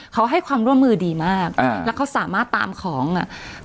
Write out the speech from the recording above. เขาให้ความร่วมมือดีมากอ่าแล้วเขาสามารถตามของอ่ะ